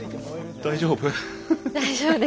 大丈夫？